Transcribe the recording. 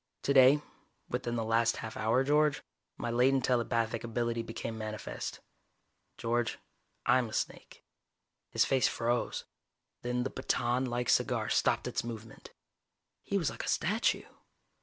"Today, within the last half hour, George, my latent telepathic ability became manifest. George, I'm a snake." His face froze. Then the batonlike cigar stopped its movement. He was like a statue.